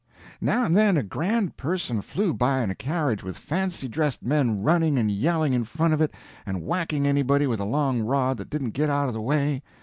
Now and then a grand person flew by in a carriage with fancy dressed men running and yelling in front of it and whacking anybody with a long rod that didn't get out of the way.